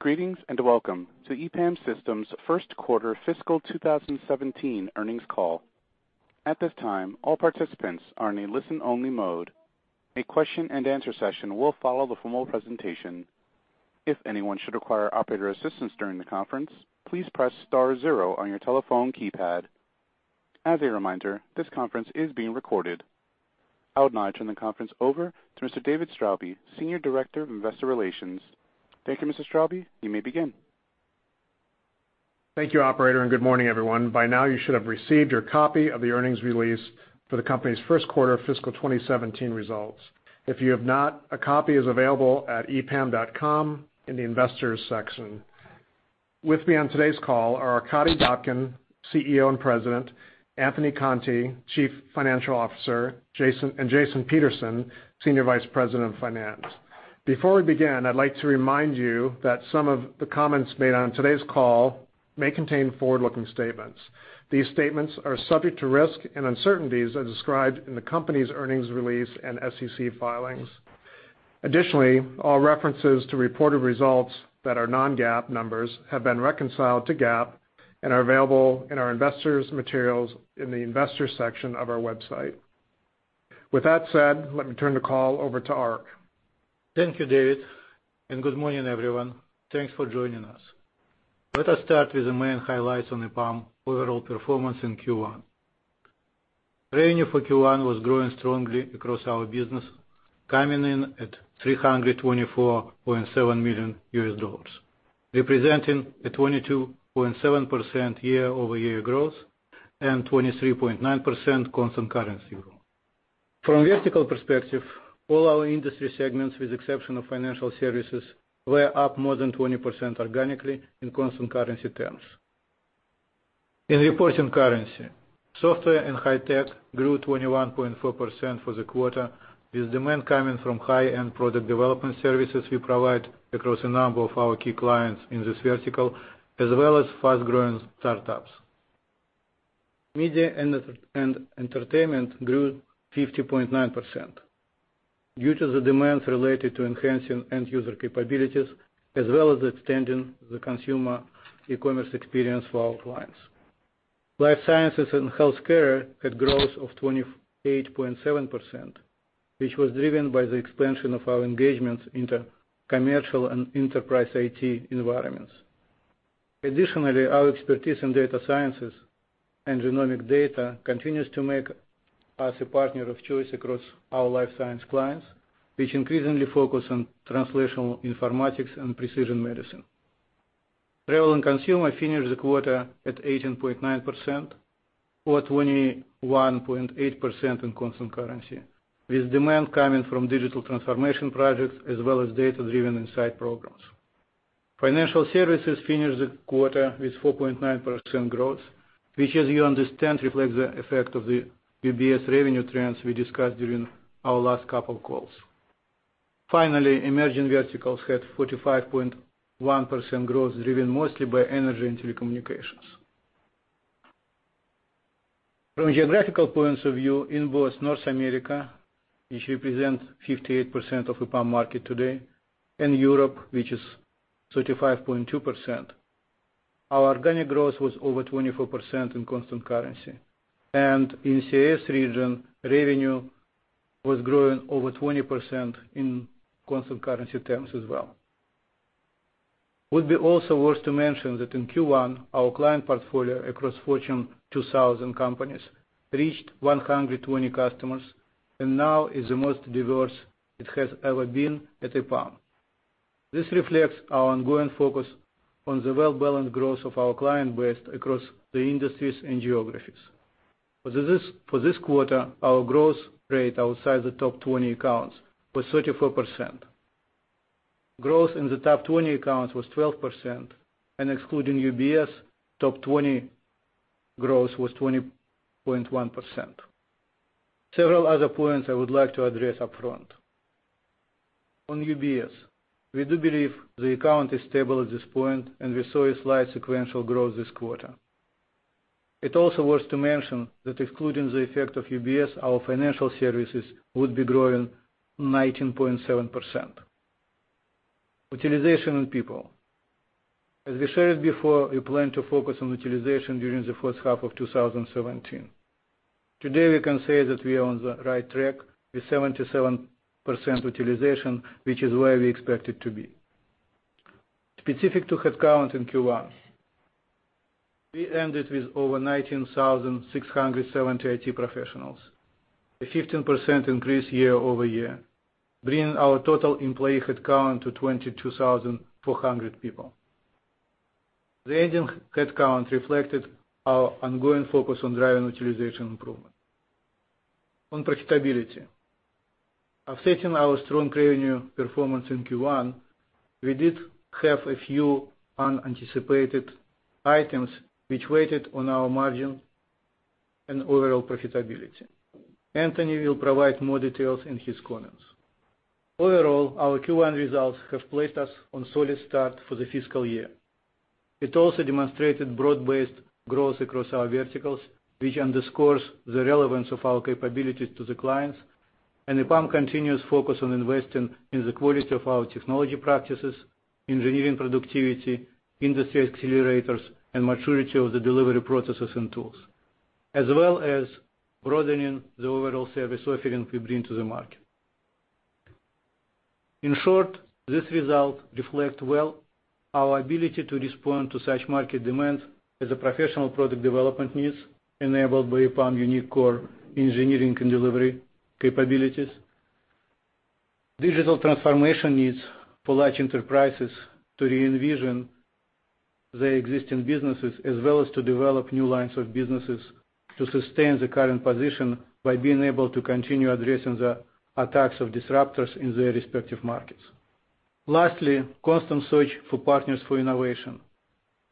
Greetings. Welcome to EPAM Systems' first quarter fiscal 2017 earnings call. At this time, all participants are in a listen-only mode. A question-and-answer session will follow the formal presentation. If anyone should require operator assistance during the conference, please press star zero on your telephone keypad. As a reminder, this conference is being recorded. I would now turn the conference over to Mr. David Straube, Senior Director of Investor Relations. Thank you, Mr. Straube. You may begin. Thank you, operator. Good morning, everyone. By now, you should have received your copy of the earnings release for the company's first quarter of fiscal 2017 results. If you have not, a copy is available at epam.com in the Investors section. With me on today's call are Arkadiy Dobkin, CEO and President, Anthony Conte, Chief Financial Officer, and Jason Peterson, Senior Vice President of Finance. Before we begin, I'd like to remind you that some of the comments made on today's call may contain forward-looking statements. These statements are subject to risks and uncertainties as described in the company's earnings release and SEC filings. Additionally, all references to reported results that are non-GAAP numbers have been reconciled to GAAP and are available in our investors' materials in the Investors section of our website. With that said, let me turn the call over to Ark. Thank you, David. Good morning, everyone. Thanks for joining us. Let us start with the main highlights on EPAM overall performance in Q1. Revenue for Q1 was growing strongly across our business, coming in at $324.7 million, representing a 22.7% year-over-year growth and 23.9% constant currency growth. From a vertical perspective, all our industry segments, with exception of Financial Services, were up more than 20% organically in constant currency terms. In reported currency, Software and High Tech grew 21.4% for the quarter, with demand coming from high-end product development services we provide across a number of our key clients in this vertical, as well as fast-growing startups. Media and Entertainment grew 50.9%, due to the demands related to enhancing end-user capabilities, as well as extending the consumer e-commerce experience for our clients. Life Sciences and Healthcare had growth of 28.7%, which was driven by the expansion of our engagements into commercial and enterprise IT environments. Additionally, our expertise in data sciences and genomic data continues to make us a partner of choice across our Life Sciences clients, which increasingly focus on translational informatics and precision medicine. Travel and Consumer finished the quarter at 18.9%, or 21.8% in constant currency, with demand coming from digital transformation projects as well as data-driven insight programs. Financial Services finished the quarter with 4.9% growth, which as you understand, reflects the effect of the UBS revenue trends we discussed during our last couple of calls. Finally, Emerging Verticals had 45.1% growth, driven mostly by energy and telecommunications. From a geographical points of view, in both North America, which represents 58% of EPAM market today, and Europe, which is 35.2%, our organic growth was over 24% in constant currency. In CIS region, revenue was growing over 20% in constant currency terms as well. Would be also worth to mention that in Q1, our client portfolio across Fortune 2000 companies reached 120 customers and now is the most diverse it has ever been at EPAM. This reflects our ongoing focus on the well-balanced growth of our client base across the industries and geographies. For this quarter, our growth rate outside the top 20 accounts was 34%. Growth in the top 20 accounts was 12%, and excluding UBS, top 20 growth was 20.1%. Several other points I would like to address upfront. On UBS, we do believe the account is stable at this point, and we saw a slight sequential growth this quarter. It also worth to mention that excluding the effect of UBS, our financial services would be growing 19.7%. Utilization on people. As we shared before, we plan to focus on utilization during the first half of 2017. Today, we can say that we are on the right track with 77% utilization, which is where we expect it to be. Specific to headcount in Q1, we ended with over 19,670 IT professionals, a 15% increase year-over-year, bringing our total employee headcount to 22,400 people. The ending headcount reflected our ongoing focus on driving utilization improvement. On profitability. Offsetting our strong revenue performance in Q1, we did have a few unanticipated items which weighted on our margin and overall profitability. Anthony will provide more details in his comments. Overall, our Q1 results have placed us on solid start for the fiscal year. It also demonstrated broad-based growth across our verticals, which underscores the relevance of our capabilities to the clients and EPAM continues focus on investing in the quality of our technology practices, engineering productivity, industry accelerators, and maturity of the delivery processes and tools, as well as broadening the overall service offering we bring to the market. In short, this result reflects well our ability to respond to such market demands as a professional product development needs enabled by EPAM unique core engineering and delivery capabilities. Digital transformation needs for large enterprises to re-envision their existing businesses as well as to develop new lines of businesses to sustain the current position by being able to continue addressing the attacks of disruptors in their respective markets. Lastly, constant search for partners for innovation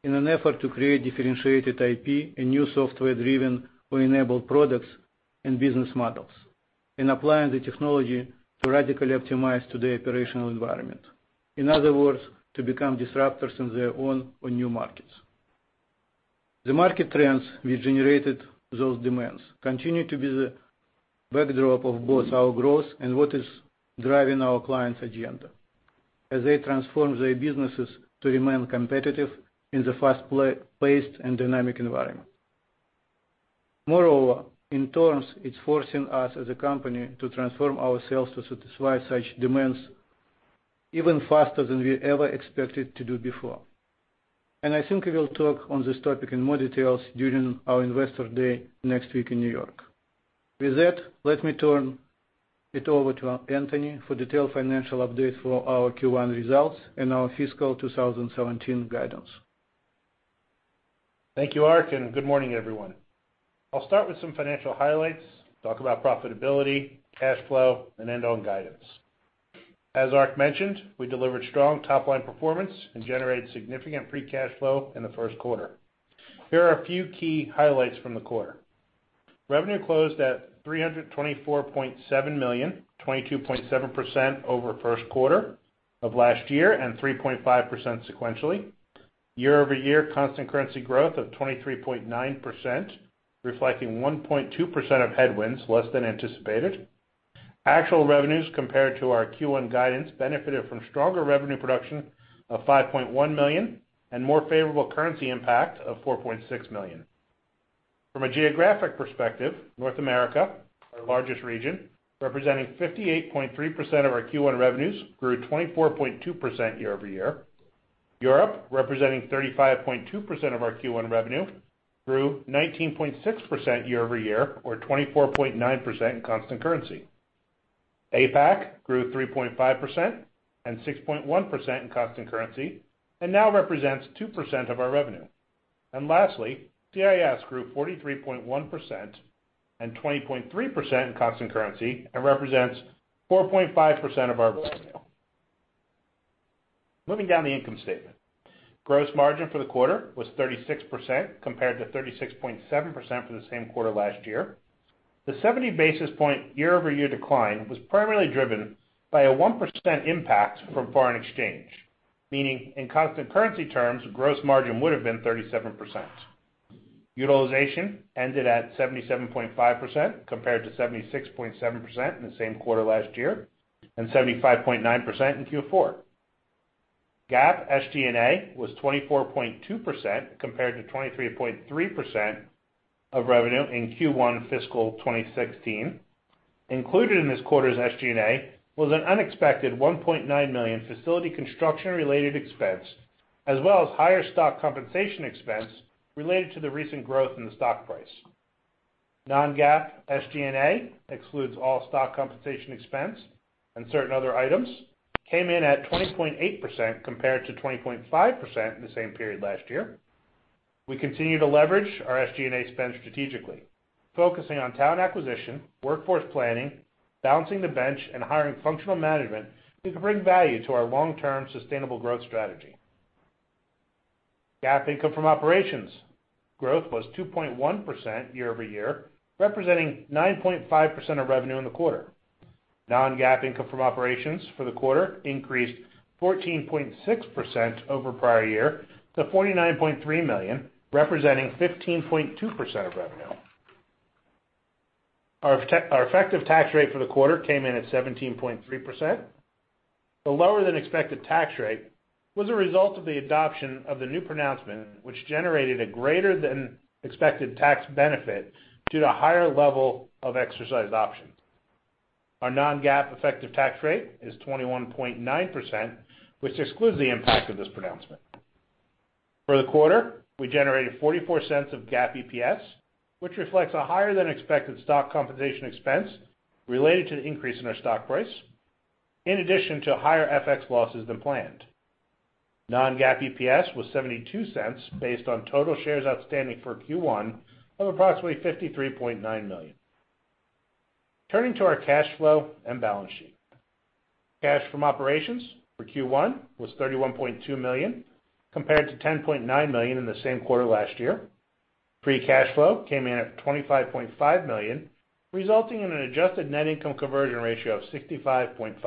in an effort to create differentiated IP and new software driven or enabled products and business models, and applying the technology to radically optimize today operational environment. In other words, to become disruptors in their own or new markets. The market trends we generated those demands continue to be the backdrop of both our growth and what is driving our clients' agenda as they transform their businesses to remain competitive in the fast-paced and dynamic environment. Moreover, in turns, it's forcing us as a company to transform ourselves to satisfy such demands even faster than we ever expected to do before. I think we will talk on this topic in more details during our investor day next week in New York. With that, let me turn it over to Anthony for detailed financial update for our Q1 results and our fiscal 2017 guidance. Thank you, Ark, good morning, everyone. I'll start with some financial highlights, talk about profitability, cash flow, and end on guidance. As Ark mentioned, we delivered strong top-line performance and generated significant free cash flow in the first quarter. Here are a few key highlights from the quarter. Revenue closed at $324.7 million, 22.7% over first quarter of last year and 3.5% sequentially. Year-over-year constant currency growth of 23.9%, reflecting 1.2% of headwinds less than anticipated. Actual revenues compared to our Q1 guidance benefited from stronger revenue production of $5.1 million and more favorable currency impact of $4.6 million. From a geographic perspective, North America, our largest region, representing 58.3% of our Q1 revenues, grew 24.2% year-over-year. Europe, representing 35.2% of our Q1 revenue, grew 19.6% year-over-year or 24.9% in constant currency. APAC grew 3.5% and 6.1% in constant currency and now represents 2% of our revenue. Lastly, CIS grew 43.1% and 20.3% in constant currency and represents 4.5% of our revenue. Moving down the income statement. Gross margin for the quarter was 36% compared to 36.7% for the same quarter last year. The 70 basis point year-over-year decline was primarily driven by a 1% impact from foreign exchange, meaning in constant currency terms, gross margin would have been 37%. Utilization ended at 77.5% compared to 76.7% in the same quarter last year, and 75.9% in Q4. GAAP SG&A was 24.2% compared to 23.3% of revenue in Q1 fiscal 2016. Included in this quarter's SG&A was an unexpected $1.9 million facility construction related expense, as well as higher stock compensation expense related to the recent growth in the stock price. Non-GAAP SG&A excludes all stock compensation expense and certain other items came in at 20.8% compared to 20.5% in the same period last year. We continue to leverage our SG&A spend strategically, focusing on talent acquisition, workforce planning, balancing the bench, and hiring functional management who can bring value to our long-term sustainable growth strategy. GAAP income from operations growth was 2.1% year-over-year, representing 9.5% of revenue in the quarter. Non-GAAP income from operations for the quarter increased 14.6% over prior year to $49.3 million, representing 15.2% of revenue. Our effective tax rate for the quarter came in at 17.3%. The lower than expected tax rate was a result of the adoption of the new pronouncement, which generated a greater than expected tax benefit due to higher level of exercise options. Our non-GAAP effective tax rate is 21.9%, which excludes the impact of this pronouncement. For the quarter, we generated $0.44 of GAAP EPS, which reflects a higher than expected stock compensation expense related to the increase in our stock price, in addition to higher FX losses than planned. Non-GAAP EPS was $0.72 based on total shares outstanding for Q1 of approximately 53.9 million. Turning to our cash flow and balance sheet. Cash from operations for Q1 was $31.2 million, compared to $10.9 million in the same quarter last year. Free cash flow came in at $25.5 million, resulting in an adjusted net income conversion ratio of 65.5%.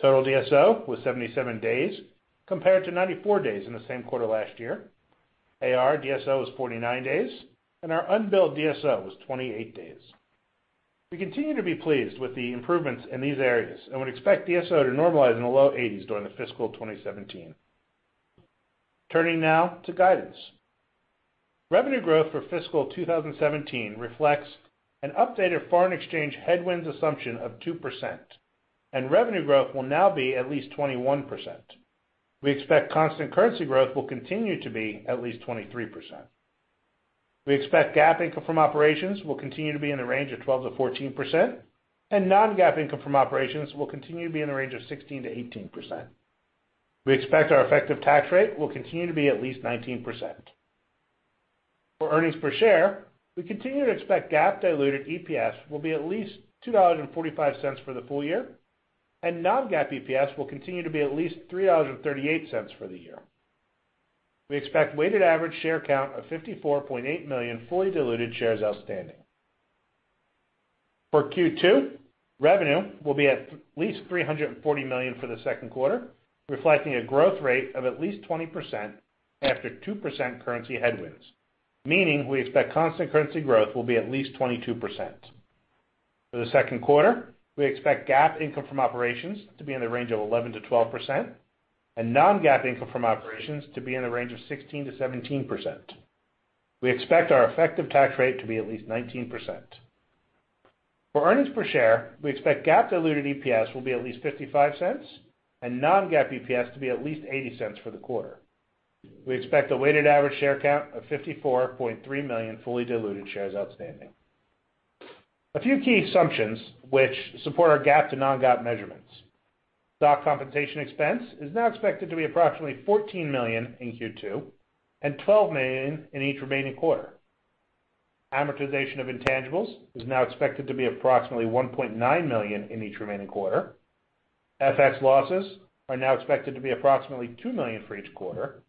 Total DSO was 77 days compared to 94 days in the same quarter last year. AR DSO was 49 days, and our unbilled DSO was 28 days. We continue to be pleased with the improvements in these areas and would expect DSO to normalize in the low 80s during the fiscal 2017. Turning now to guidance. Revenue growth for fiscal 2017 reflects an updated foreign exchange headwinds assumption of 2%, and revenue growth will now be at least 21%. We expect constant currency growth will continue to be at least 23%. We expect GAAP income from operations will continue to be in the range of 12%-14%, and non-GAAP income from operations will continue to be in the range of 16%-18%. We expect our effective tax rate will continue to be at least 19%. For earnings per share, we continue to expect GAAP diluted EPS will be at least $2.45 for the full year, and non-GAAP EPS will continue to be at least $3.38 for the year. We expect weighted average share count of 54.8 million fully diluted shares outstanding. For Q2, revenue will be at least $340 million for the second quarter, reflecting a growth rate of at least 20% after 2% currency headwinds, meaning we expect constant currency growth will be at least 22%. For the second quarter, we expect GAAP income from operations to be in the range of 11%-12%, and non-GAAP income from operations to be in the range of 16%-17%. We expect our effective tax rate to be at least 19%. For earnings per share, we expect GAAP diluted EPS will be at least $0.55 and non-GAAP EPS to be at least $0.80 for the quarter. We expect a weighted average share count of 54.3 million fully diluted shares outstanding. A few key assumptions which support our GAAP to non-GAAP measurements. Stock compensation expense is now expected to be approximately $14 million in Q2 and $12 million in each remaining quarter. Amortization of intangibles is now expected to be approximately $1.9 million in each remaining quarter. FX losses are now expected to be approximately $2 million for each quarter,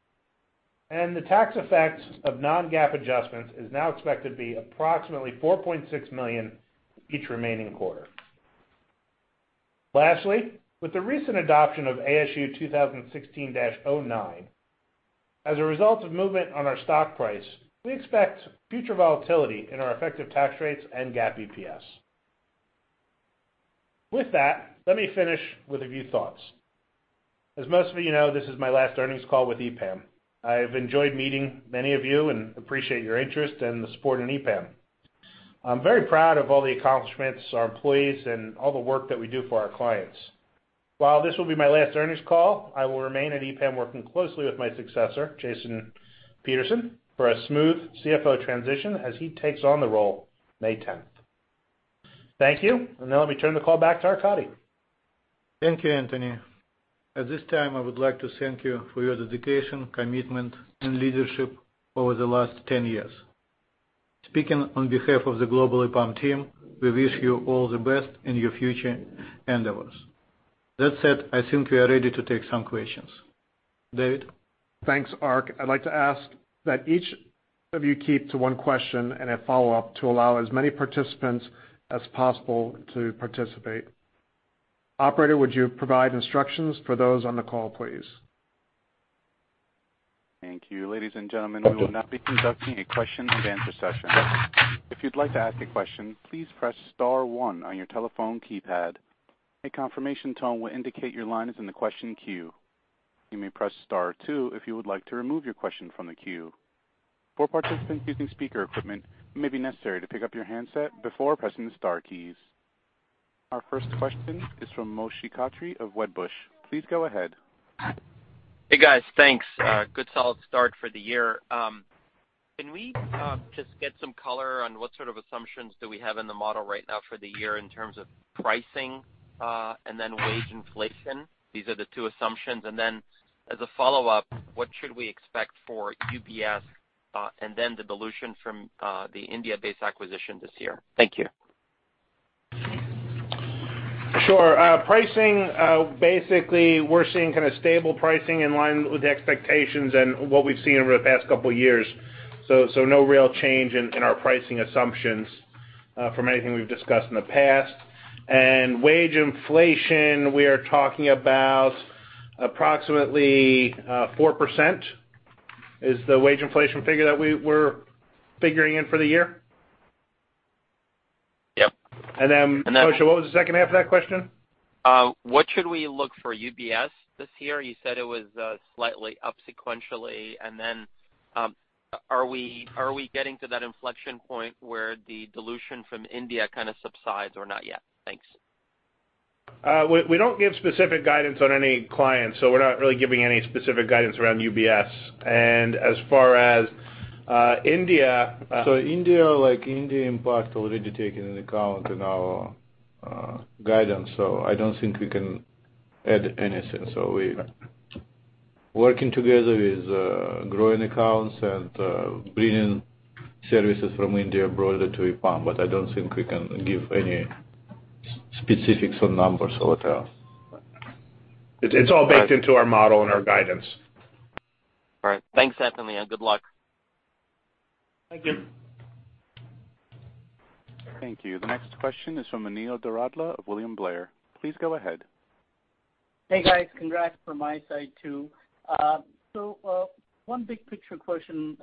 and the tax effects of non-GAAP adjustments is now expected to be approximately $4.6 million each remaining quarter. Lastly, with the recent adoption of ASU 2016-09, as a result of movement on our stock price, we expect future volatility in our effective tax rates and GAAP EPS. With that, let me finish with a few thoughts. As most of you know, this is my last earnings call with EPAM. I've enjoyed meeting many of you and appreciate your interest and the support in EPAM. I'm very proud of all the accomplishments, our employees, and all the work that we do for our clients. While this will be my last earnings call, I will remain at EPAM, working closely with my successor, Jason Peterson, for a smooth CFO transition as he takes on the role May 10th. Thank you. Now let me turn the call back to Arkadiy. Thank you, Anthony. At this time, I would like to thank you for your dedication, commitment, and leadership over the last 10 years. Speaking on behalf of the global EPAM team, we wish you all the best in your future endeavors. That said, I think we are ready to take some questions. David? Thanks, Ark. I'd like to ask that each of you keep to one question and a follow-up to allow as many participants as possible to participate. Operator, would you provide instructions for those on the call, please? Thank you. Ladies and gentlemen, we will now be conducting a question and answer session. If you'd like to ask a question, please press *1 on your telephone keypad. A confirmation tone will indicate your line is in the question queue. You may press *2 if you would like to remove your question from the queue. For participants using speaker equipment, it may be necessary to pick up your handset before pressing the star keys. Our first question is from Moshe Katri of Wedbush. Please go ahead. Hey guys. Thanks. Good start for the year. Can we just get some color on what sort of assumptions do we have in the model right after the year in terms of pricing and then wage and inflation? These are the two assumptions. And then as a follow-up, what should we expect for UBS and then the delusion from the India-based acquisition this year. Thank you. Sure. Pricing, basically, we're seeing kind of stable pricing in line with the expectations and what we've seen over the past couple of years. No real change in our pricing assumptions from anything we've discussed in the past. Wage inflation, we are talking about approximately 4%, is the wage inflation figure that we were figuring in for the year. Yep. Moshe, what was the second half of that question? What should we look for UBS this year? You said it was slightly up sequentially, are we getting to that inflection point where the dilution from India kind of subsides or not yet? Thanks. We don't give specific guidance on any clients, we're not really giving any specific guidance around UBS. As far as India- India impact already taken into account in our guidance. I don't think we can add anything. We working together with growing accounts and bringing services from India broader to EPAM. I don't think we can give any specifics on numbers or what else. It's all baked into our model and our guidance. All right. Thanks, Anthony. Good luck. Thank you. Thank you. The next question is from Anil Doradla of William Blair. Please go ahead. Hey, guys. Congrats from my side, too. One big picture question,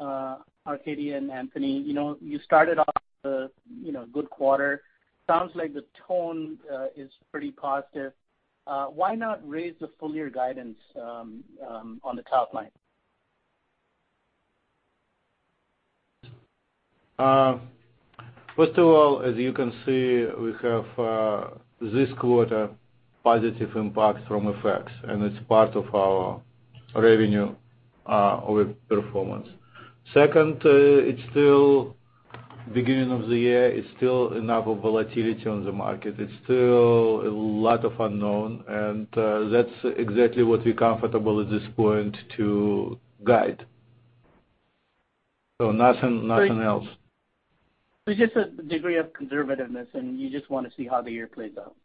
Arkadiy and Anthony. You started off a good quarter. Sounds like the tone is pretty positive. Why not raise the full year guidance on the top line? First of all, as you can see, we have this quarter positive impact from FX, and it's part of our revenue over performance. Second, it's still the beginning of the year. It's still enough volatility on the market. It's still a lot of unknown, and that's exactly what we're comfortable at this point to guide. Nothing else. Just a degree of conservativeness, and you just want to see how the year plays out.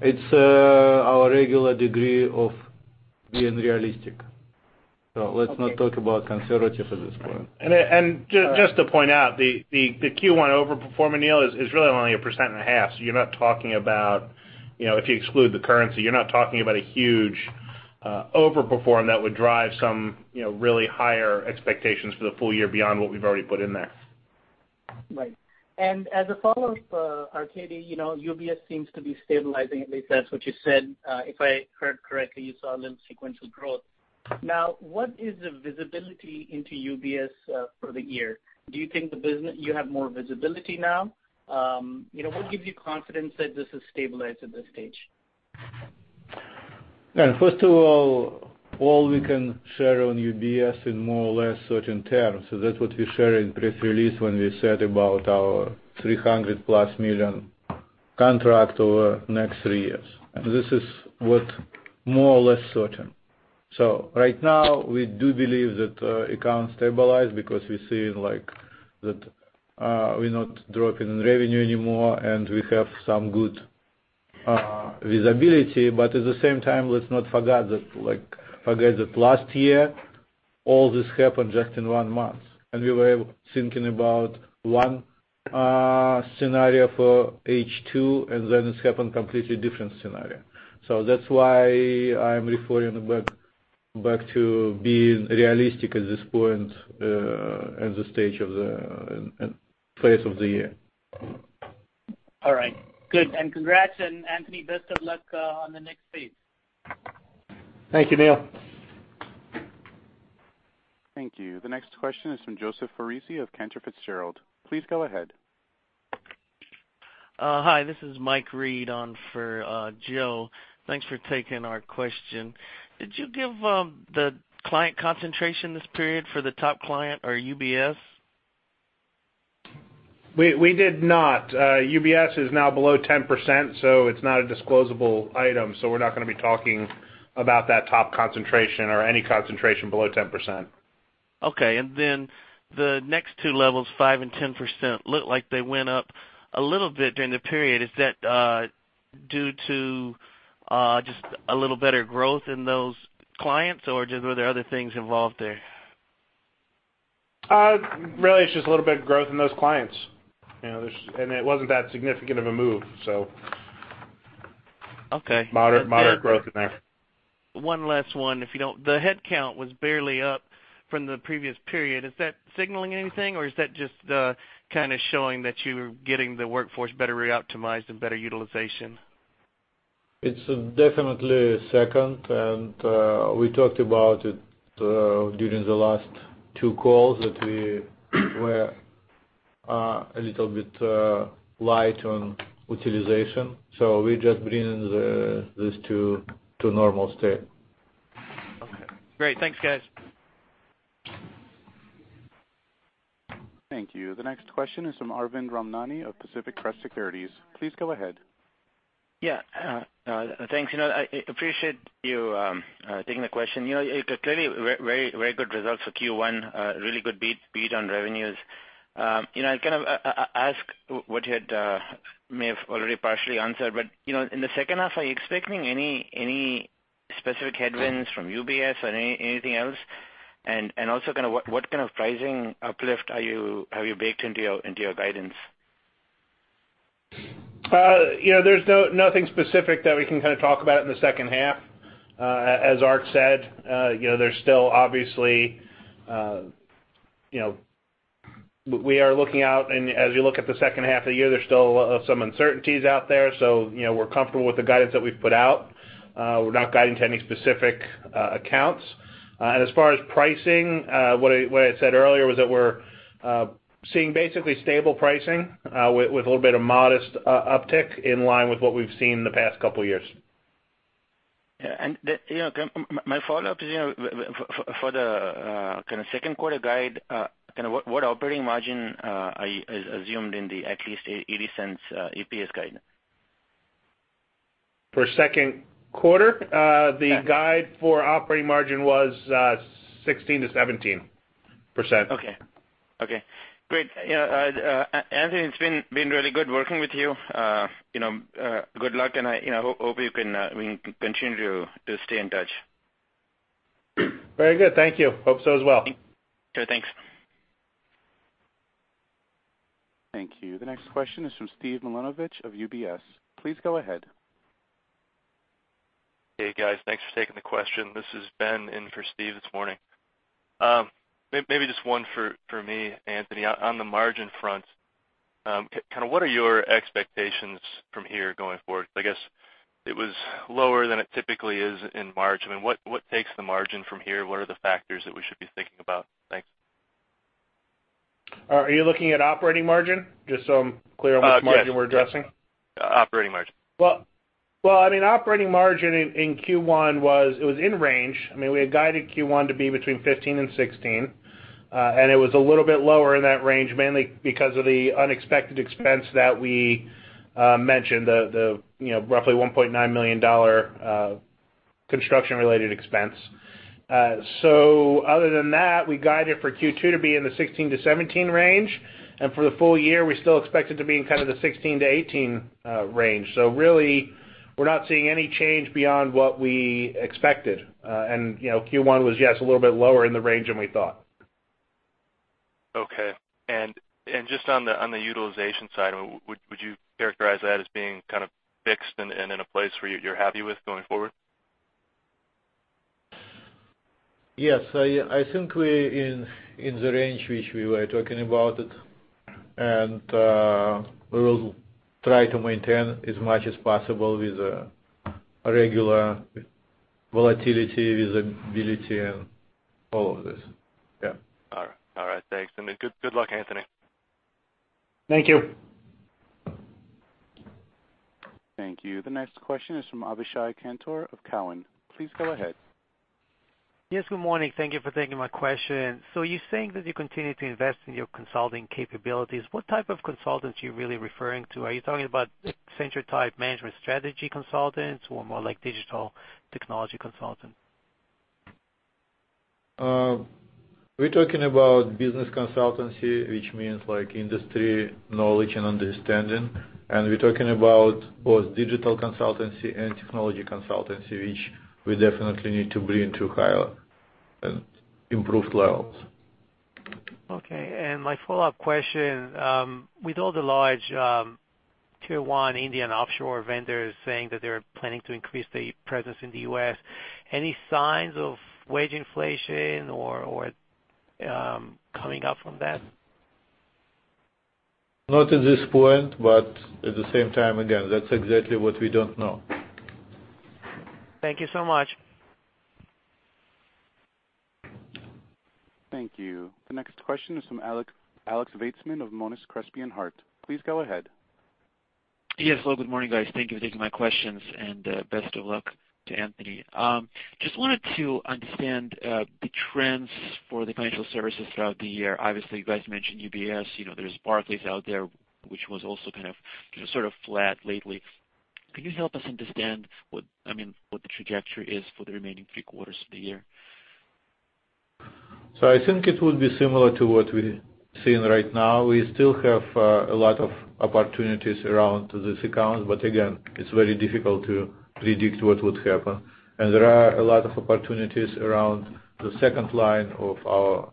It's our regular degree of being realistic. Okay. let's not talk about conservative at this point. just to point out, the Q1 overperform, Anil, is really only 1.5%. If you exclude the currency, you're not talking about a huge overperform that would drive some really higher expectations for the full year beyond what we've already put in there. Right. As a follow-up, Arkadiy, UBS seems to be stabilizing. At least that's what you said. If I heard correctly, you saw a little sequential growth. What is the visibility into UBS for the year? Do you think you have more visibility now? What gives you confidence that this is stabilized at this stage? First of all, we can share on UBS in more or less certain terms. That's what we share in press release when we said about our $300+ million contract over the next three years. This is what more or less certain. Right now, we do believe that accounts stabilize because we see that we're not dropping in revenue anymore, and we have some good visibility. At the same time, let's not forget that last year, all this happened just in one month, and we were thinking about one scenario for H2, it happened completely different scenario. That's why I'm referring back to being realistic at this point at this phase of the year. All right. Good. Congrats, and Anthony, best of luck on the next phase. Thank you, Anil. Thank you. The next question is from Joseph Foresi of Cantor Fitzgerald. Please go ahead. Hi, this is Mike Reed on for Joe. Thanks for taking our question. Did you give the client concentration this period for the top client or UBS? We did not. UBS is now below 10%. It's not a disclosable item. We're not going to be talking about that top concentration or any concentration below 10%. Okay. The next 2 levels, 5% and 10%, looked like they went up a little bit during the period. Is that due to just a little better growth in those clients, or just were there other things involved there? Really, it's just a little bit of growth in those clients. It wasn't that significant of a move. Okay. Moderate growth in there. One last one. The headcount was barely up from the previous period. Is that signaling anything, or is that just kind of showing that you're getting the workforce better reoptimized and better utilization? It's definitely the second, and we talked about it during the last two calls that we were a little bit light on utilization. We're just bringing this to a normal state. Okay, great. Thanks, guys. Thank you. The next question is from Arvind Ramnani of Pacific Crest Securities. Please go ahead. Yeah. Thanks. I appreciate you taking the question. Clearly very good results for Q1. Really good beat on revenues. In the second half, are you expecting any specific headwinds from UBS or anything else? Also, what kind of pricing uplift have you baked into your guidance? There's nothing specific that we can talk about in the second half. As Ark said, we are looking out, as you look at the second half of the year, there's still some uncertainties out there. We're comfortable with the guidance that we've put out. We're not guiding to any specific accounts. As far as pricing, what I said earlier was that we're seeing basically stable pricing with a little bit of modest uptick in line with what we've seen in the past couple of years. Yeah. My follow-up is for the second quarter guide, what operating margin is assumed in the at least $0.80 EPS guidance? For second quarter? Yeah. The guide for operating margin was 16%-17%. Okay. Great. Anthony, it's been really good working with you. Good luck, and I hope we can continue to stay in touch. Very good. Thank you. Hope so as well. Sure. Thanks. Thank you. The next question is from Steven Milunovich of UBS. Please go ahead. Hey, guys. Thanks for taking the question. This is Ben in for Steve this morning. Maybe just one for me, Anthony. On the margin front, what are your expectations from here going forward? I guess it was lower than it typically is in margin. What takes the margin from here? What are the factors that we should be thinking about? Thanks. Are you looking at operating margin? Just so I'm clear on which margin we're addressing. Yes. Operating margin. Well, operating margin in Q1 was in range. We had guided Q1 to be between 15% and 16%, and it was a little bit lower in that range, mainly because of the unexpected expense that we mentioned, the roughly $1.9 million construction-related expense. Other than that, we guided for Q2 to be in the 16%-17% range. For the full year, we still expect it to be in the 16%-18% range. Really, we're not seeing any change beyond what we expected. Q1 was, yes, a little bit lower in the range than we thought. Okay. Just on the utilization side, would you characterize that as being fixed and in a place where you're happy with going forward? Yes. I think we're in the range which we were talking about it, we will try to maintain as much as possible with regular volatility, with agility, and all of this. Yeah. All right. Thanks. Good luck, Anthony. Thank you. Thank you. The next question is from Avishai Kantor of Cowen. Please go ahead. Yes, good morning. Thank you for taking my question. You're saying that you continue to invest in your consulting capabilities. What type of consultants are you really referring to? Are you talking about Accenture-type management strategy consultants or more like digital technology consultants? We're talking about business consultancy, which means industry knowledge and understanding. We're talking about both digital consultancy and technology consultancy, which we definitely need to bring to higher and improved levels. Okay. My follow-up question, with all the large Tier 1 Indian offshore vendors saying that they're planning to increase their presence in the U.S., any signs of wage inflation coming up from that? Not at this point, at the same time, again, that's exactly what we don't know. Thank you so much. Thank you. The next question is from Alex Veytsman of Monness, Crespi, Hardt. Please go ahead. Yes. Hello, good morning, guys. Thank you for taking my questions, and best of luck to Anthony Conte. Just wanted to understand the trends for the financial services throughout the year. Obviously, you guys mentioned UBS. There's Barclays out there, which was also sort of flat lately. Could you help us understand what the trajectory is for the remaining three quarters of the year? I think it will be similar to what we're seeing right now. We still have a lot of opportunities around this account. Again, it's very difficult to predict what would happen. There are a lot of opportunities around the second line of our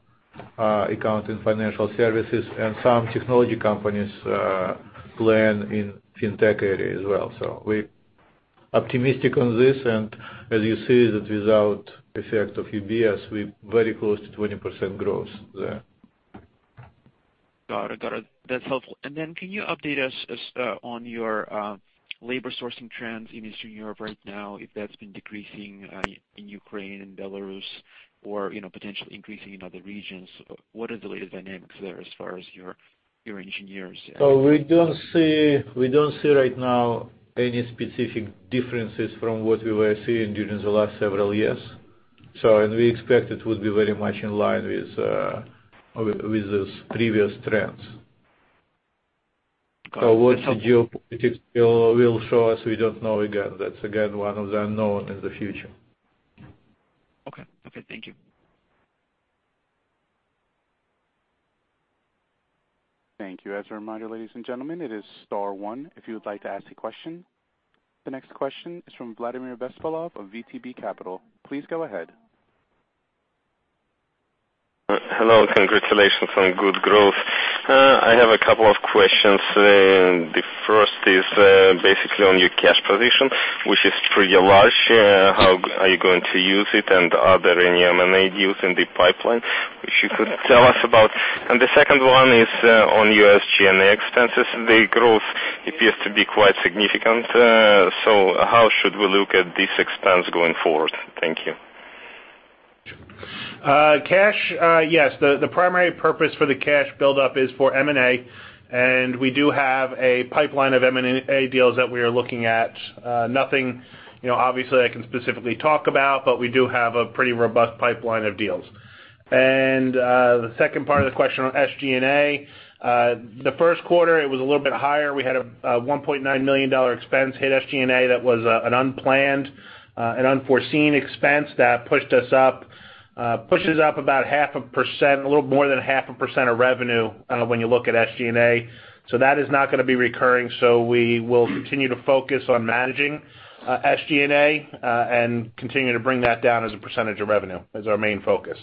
account in financial services and some technology companies plan in fintech area as well. We're optimistic on this. As you see, that without effect of UBS, we're very close to 20% growth there. Got it. That's helpful. Can you update us on your labor sourcing trends in Eastern Europe right now, if that's been decreasing in Ukraine and Belarus or potentially increasing in other regions? What are the latest dynamics there as far as your engineers? We don't see right now any specific differences from what we were seeing during the last several years. We expect it will be very much in line with those previous trends. Got it. What the geopolitics will show us, we don't know again. That's, again, one of the unknown in the future. Okay. Thank you. Thank you. As a reminder, ladies and gentlemen, it is star one if you would like to ask a question. The next question is from Vladimir Bespalov of VTB Capital. Please go ahead. Hello. Congratulations on good growth. I have a couple of questions. The first is basically on your cash position, which is pretty large. How are you going to use it? Are there any M&A deals in the pipeline which you could tell us about? The second one is on your SG&A expenses. The growth appears to be quite significant. How should we look at this expense going forward? Thank you. Cash, yes, the primary purpose for the cash buildup is for M&A, and we do have a pipeline of M&A deals that we are looking at. Nothing, obviously, I can specifically talk about, but we do have a pretty robust pipeline of deals. The second part of the question on SG&A. The first quarter, it was a little bit higher. We had a $1.9 million expense hit SG&A that was an unplanned, an unforeseen expense that pushed us up. Pushes up about half a %, a little more than half a % of revenue when you look at SG&A. That is not going to be recurring. We will continue to focus on managing SG&A, and continue to bring that down as a % of revenue as our main focus.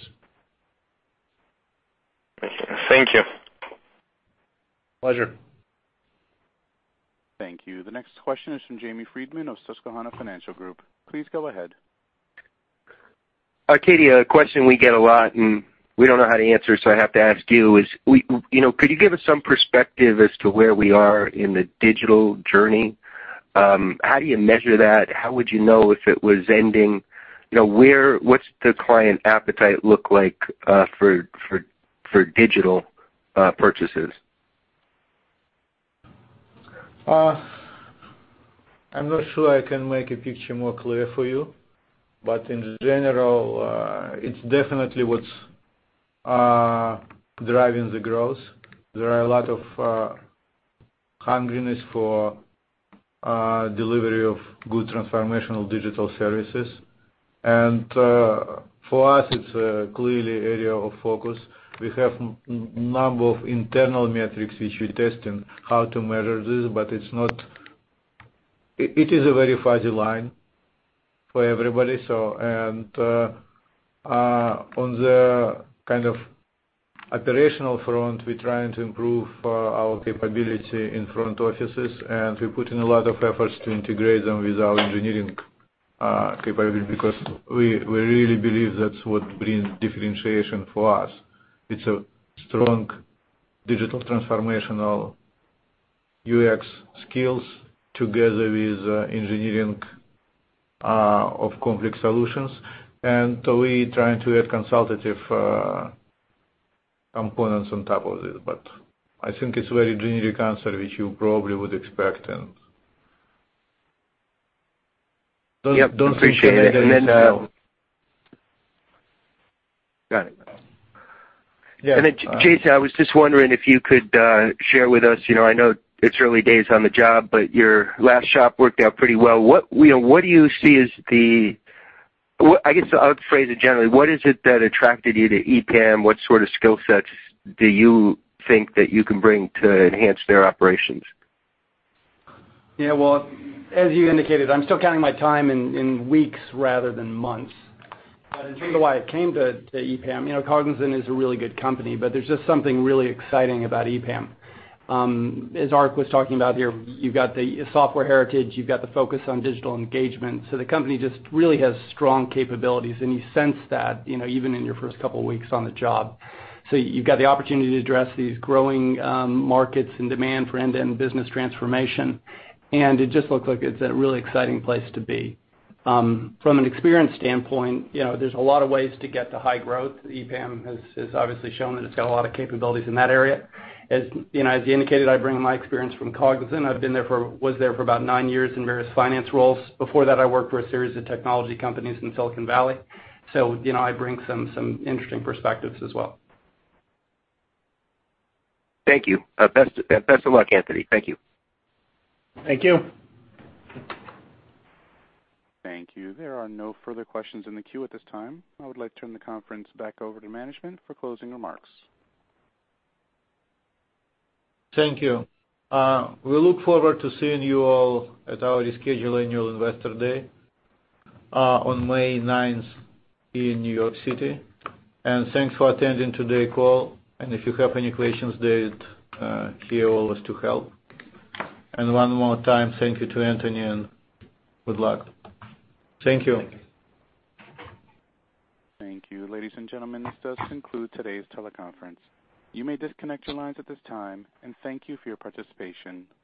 Thank you. Pleasure. Thank you. The next question is from James Friedman of Susquehanna Financial Group. Please go ahead. Arkadiy, a question we get a lot, and we don't know how to answer, so I have to ask you is, could you give us some perspective as to where we are in the digital journey? How do you measure that? How would you know if it was ending? What's the client appetite look like for digital purchases? I'm not sure I can make a picture more clear for you, but in general, it's definitely what's driving the growth. There are a lot of hungriness for delivery of good transformational digital services. For us, it's a clearly area of focus. We have number of internal metrics which we test in how to measure this, but it is a very fuzzy line for everybody. On the operational front, we're trying to improve our capability in front offices, and we're putting a lot of efforts to integrate them with our engineering capability because we really believe that's what brings differentiation for us. It's a strong digital transformational UX skills together with engineering of complex solutions. We trying to add consultative components on top of it, but I think it's very generic answer, which you probably would expect. Yep. Appreciate it. Don't think anything is- Got it. Yeah. Jason, I was just wondering if you could share with us, I know it's early days on the job, but your last shop worked out pretty well. I guess I would phrase it generally, what is it that attracted you to EPAM? What sort of skill sets do you think that you can bring to enhance their operations? Well, as you indicated, I'm still counting my time in weeks rather than months. In terms of why I came to EPAM, Cognizant is a really good company, but there's just something really exciting about EPAM. As Ark was talking about here, you've got the software heritage, you've got the focus on digital engagement, so the company just really has strong capabilities, and you sense that even in your first couple of weeks on the job. You've got the opportunity to address these growing markets and demand for end-to-end business transformation, and it just looks like it's a really exciting place to be. From an experience standpoint, there's a lot of ways to get to high growth. EPAM has obviously shown that it's got a lot of capabilities in that area. As you indicated, I bring my experience from Cognizant. I was there for about nine years in various finance roles. Before that, I worked for a series of technology companies in Silicon Valley. I bring some interesting perspectives as well. Thank you. Best of luck, Anthony. Thank you. Thank you. Thank you. There are no further questions in the queue at this time. I would like to turn the conference back over to management for closing remarks. Thank you. We look forward to seeing you all at our rescheduled annual investor day on May 9th in New York City. Thanks for attending today call, and if you have any questions, they're here always to help. One more time, thank you to Anthony, and good luck. Thank you. Thank you. Ladies and gentlemen, this does conclude today's teleconference. You may disconnect your lines at this time, and thank you for your participation.